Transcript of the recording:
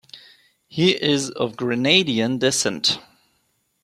He is of Grenadian descent.